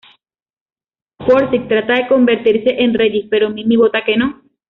Forsyth trata de convertirse en Regis, pero Mimi vota que no.